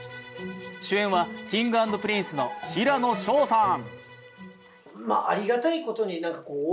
主演はＫｉｎｇ＆Ｐｒｉｎｃｅの平野紫耀さん。